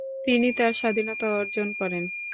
তিনি তার স্বাধীনতা অর্জন করেন।